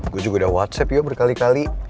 gue juga udah whatsapp yuk berkali kali